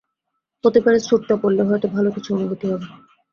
হতে পারে, স্যুটটা পরলে হয়তো ভালো কিছু অনুভূতি হবে।